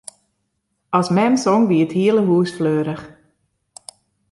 As mem song, wie it hiele hûs fleurich.